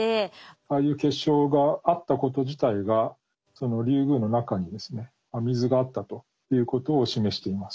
ああいう結晶があったこと自体がリュウグウの中にですね水があったということを示しています。